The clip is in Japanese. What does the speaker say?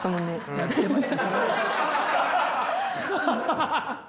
やってましたそれ。